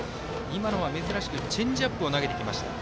珍しくチェンジアップを投げてきました。